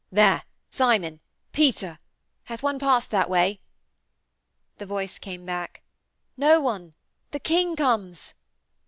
There ... Simon!... Peter!... Hath one passed that way?' The voice came back: 'No one! The King comes!'